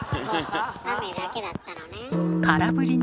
雨だけだったのね。